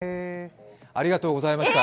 へえありがとうございました。